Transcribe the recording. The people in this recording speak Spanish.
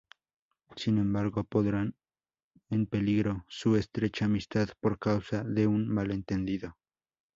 Sin embargo, pondrán en peligro su estrecha amistad por causa de un malentendido.